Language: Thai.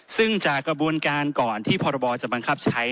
ซึ่งจากกระบวนการก่อนที่พรบจะบังคับใช้